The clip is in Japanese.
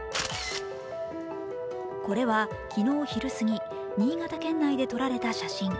これは昨日昼すぎ、新潟県内で撮られた写真。